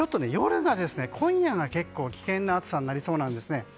ちょっと夜が今夜が結構危険な暑さになりそうなんですね。